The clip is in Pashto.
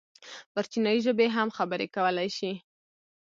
پر چينايي ژبې هم خبرې کولی شي.